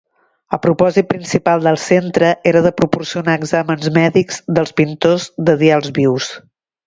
El propòsit principal del centre era de proporcionar exàmens mèdics dels pintors de dials vius.